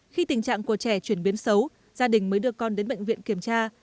khi tình trạng của trẻ chuyển biến xấu gia đình mới đưa con đến bệnh viện kiểm tra